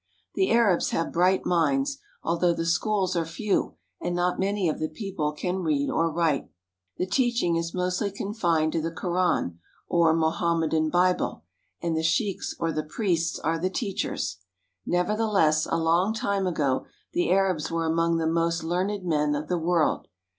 The Arabs have bright minds, although the schools are few and not many of the people can read or write. The CARP. ASIA — 21 A Sheik of Mecca. 346 IN AN ARABIAN VILLAGE teaching is mostly confined to the Koran, or Mohammedan Bible, and the sheiks or the priests are the teachers. Nevertheless, a long time ago, the Arabs were among the most learned men of the world.